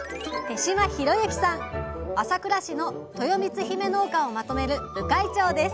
朝倉市のとよみつひめ農家をまとめる部会長です